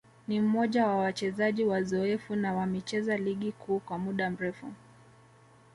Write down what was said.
ni mmoja wa wachezaji wazoefu na wamecheza Ligi Kuu kwa muda mrefu